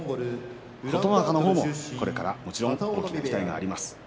琴ノ若の方もこれから大きな期待があります。